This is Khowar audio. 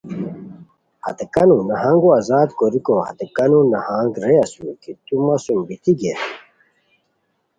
ہتے کانو نہانگو آزاد کوریکو ہتے کانو نہنگ رے اسور کی تو مہ سوم بیتی گیئے